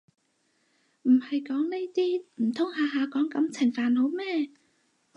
唔係講呢啲唔通下下講感情煩惱咩